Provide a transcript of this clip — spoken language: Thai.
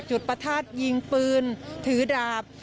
ประทัดยิงปืนถือดาบ